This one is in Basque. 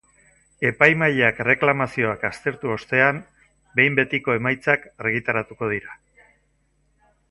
Epaimahaiak erreklamazioak aztertu ostean, behin betiko emaitzak argitaratuko dira.